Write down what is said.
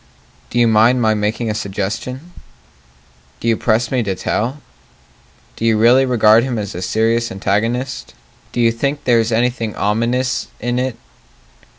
Do you mind my making a suggestion? Do you press me to tell? Do you really regard him as a serious antagonist? Do you think there is anything ominous in it?